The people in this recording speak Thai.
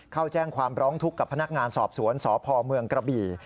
เข้าแจ้งความร้องทุกข์กับพนักงานสอบสวนสพเมืองกระบี่